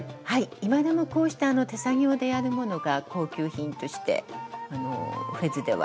今でもこうした手作業でやるものが高級品としてフェズでは。